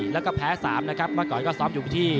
แล้วก็แพ้๓นะครับเมื่อก่อนก็ซ้อมอยู่ที่